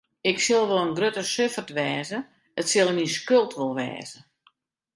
Ik sil wol in grutte suffert wêze, it sil myn skuld wol wêze.